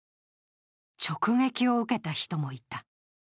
直撃を受けた人もいた。